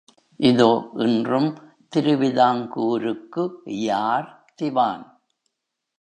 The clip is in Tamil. இதோ இன்றும் திருவிதாங்கூருக்கு யார் திவான்?